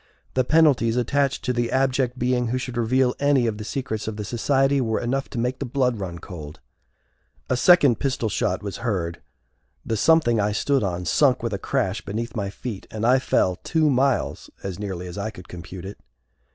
The penalties attached to the abject being who should reveal any of the secrets of the society were enough to make the blood run cold. A second pistol shot was heard, the something I stood on sunk with a crash beneath my feet and I fell two miles, as nearly as I could compute it.